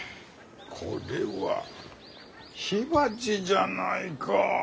これは火鉢じゃないか。